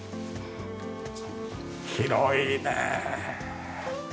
広いねえ。